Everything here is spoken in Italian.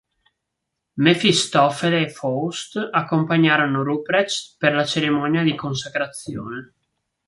Mefistofele e Faust accompagnano Ruprecht per la cerimonia di consacrazione.